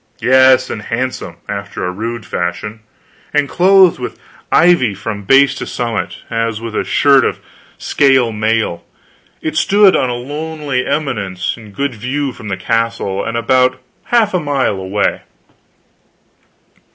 Yes, and handsome, after a rude fashion, and clothed with ivy from base to summit, as with a shirt of scale mail. It stood on a lonely eminence, in good view from the castle, and about half a mile away.